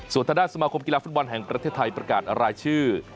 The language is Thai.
ส่วนทางด้านสมาคมกีฬาฟุตบอลแห่งประเทศไทยประกาศรายชื่อ